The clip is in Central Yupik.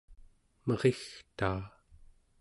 merigtaa